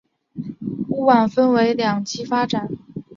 屋苑分为两期发展。